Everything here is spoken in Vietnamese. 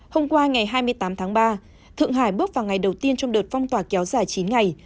hôm qua ngày hai mươi tám tháng ba thượng hải bước vào ngày đầu tiên trong đợt phong tỏa kéo dài chín ngày